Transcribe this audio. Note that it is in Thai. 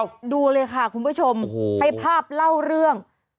หรือเปล่าดูเลยค่ะคุณผู้ชมโอ้โหไม่ภาพเล่าเรื่อง